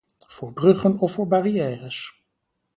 Voor bruggen of voor barrières?